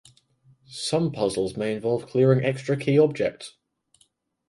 Some puzzles may involve clearing extra key objects.